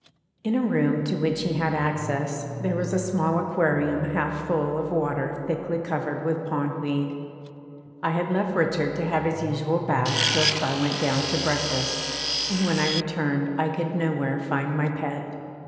In a room to which he had access, there was a small aquarium half full of water thickly covered with pond weed. I had left Richard to have his usual bath whilst I went down to breakfast, and when I returned I could nowhere find my pet.